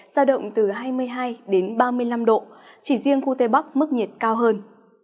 giao động từ hai mươi hai ba mươi năm độ chỉ riêng khu tây bắc mức nhiệt cao hơn